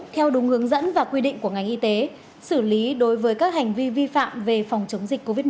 theo đúng hướng dẫn và quy định của ngành y tế xử lý đối với các hành vi vi phạm về phòng chống dịch covid một mươi chín